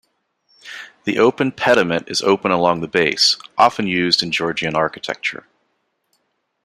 The open pediment is open along the base - often used in Georgian architecture.